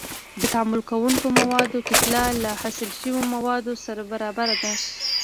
د تعامل کوونکو موادو کتله له حاصل شویو موادو سره برابره ده.